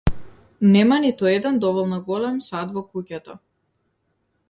Нема ниту еден доволно голем сад во куќата.